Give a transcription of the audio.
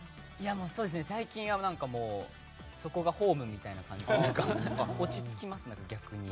最近は、そこがホームみたいな感じになって落ち着きますね、逆に。